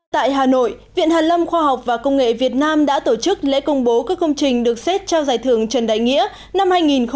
tại hà nội viện hàn lâm khoa học và công nghệ việt nam đã tổ chức lễ công bố các công trình được xét trao giải thưởng trần đại nghĩa năm hai nghìn một mươi chín